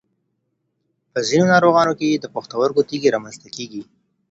په ځینو ناروغانو کې د پښتورګو تېږې رامنځته کېږي.